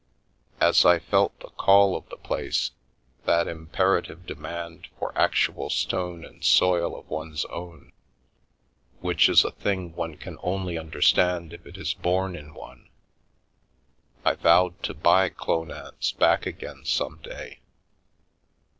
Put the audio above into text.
As I felt the call of the place, that imperative demand for actual stone and soil of one's own, which is a thing one can only understand if it is born in one, I vowed to buy Clownance back again some day.